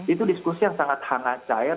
itu diskusi yang sangat hangat cair